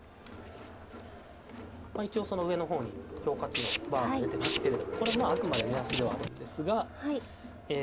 まあ一応上の方に評価値のバーが出てますけれどもこれまああくまで目安ではあるんですがえ